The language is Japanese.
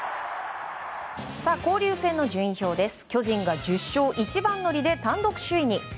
交流戦の順位表です。